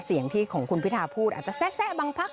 เสียงที่ของคุณพิทาพูดอาจจะแซะบางพัก